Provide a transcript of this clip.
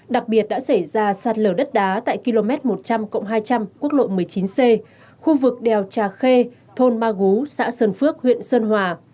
đặc biệt đã xảy ra sạt lở đất đá tại km một trăm linh hai trăm linh quốc lộ một mươi chín c khu vực đèo trà khê thôn ma gú xã sơn phước huyện sơn hòa